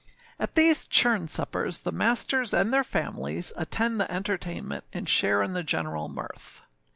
At these churn suppers the masters and their families attend the entertainment, and share in the general mirth.